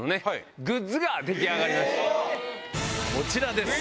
こちらです。